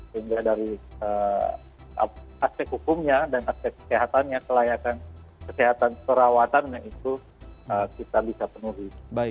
sehingga dari aspek hukumnya dan aspek kesehatannya kelayakan kesehatan perawatannya itu kita bisa penuhi